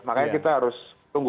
makanya kita harus tunggu